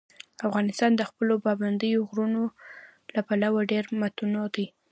افغانستان د خپلو پابندي غرونو له پلوه ډېر متنوع دی.